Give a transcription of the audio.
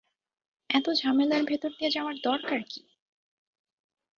এত ঝামেলার ভেতর দিয়ে যাওয়ার দরকার কি?